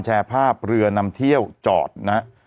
แชร์ภาพเรือนำเที่ยวจอดนะฮะ